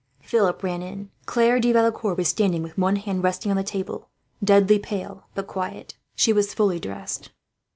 Philip ran in. Claire de Valecourt was standing with one hand resting on the table, deadly pale, but quiet. She was fully dressed.